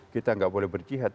kita gak boleh berjihad